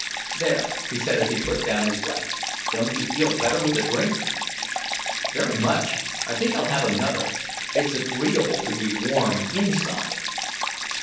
There," he said as he put down his glass, "don't you feel better with a drink?" "Very much. I think I'll have another. It's agreeable to be warm inside."